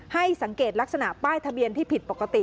ให้สังเกตลักษณะป้ายทะเบียนที่ผิดปกติ